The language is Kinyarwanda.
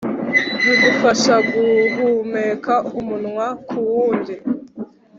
bigufasha guhumeka umunwa ku w'undi.